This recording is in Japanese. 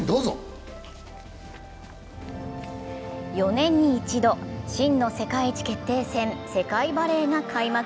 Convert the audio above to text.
４年に一度、真の世界一決定戦、世界バレーが開幕。